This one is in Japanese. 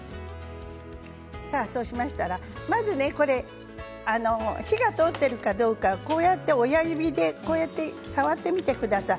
そうしましたら、まず火が通っているかどうか親指で触ってみてください。